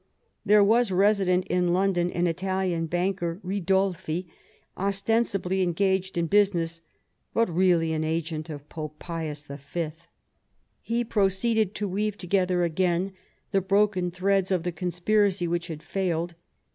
There was resident in London an Italian banker, Ridolfi, ostensibly engaged in business, but really an agent of Pope Pius V. He proceeded to weave together again the broken threads of the conspiracy which had failed.